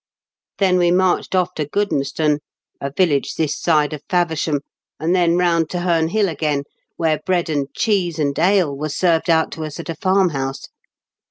" Then we marched off to Goodnestone, a village this side of Faversham, and then round to Heme Hill again, where bread and cheese and ale was served out to us at a farmhouse.